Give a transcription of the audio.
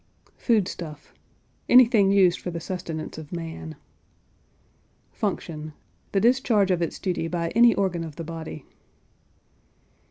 FOOD STUFF. Anything used for the sustenance of man. FUNCTION. The discharge of its duty by any organ of the body.